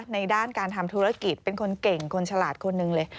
ในด้านการทำธุรกิจเป็นคนเก่งคนฉลาดคนหนึ่งเลย